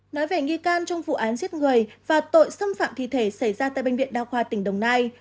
nói về nghi can trong vụ án giết người và tội xâm phạm thi thể xảy ra tại bệnh viện đa khoa tỉnh đồng nai